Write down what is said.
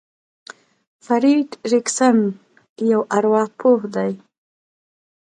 فرېډ ريکسن يو ارواپوه دی.